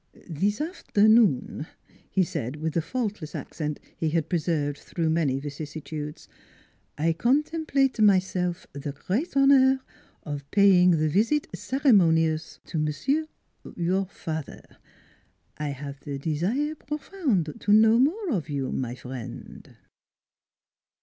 " This afternoon," he said, with the faultless accent he had preserved through many vicissi tudes, " I contemplate doing myself the great honor of paying the visit ceremonious to mon sieur, your father. I have the desire profound to know more of you, my friend."